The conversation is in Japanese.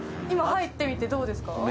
入ってみてどうですか？